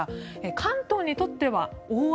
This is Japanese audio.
関東にとっては大雨